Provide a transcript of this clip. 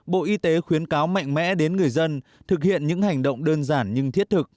bộ y tế khuyến cáo mạnh mẽ đến người dân thực hiện những hành động đơn giản nhưng thiết thực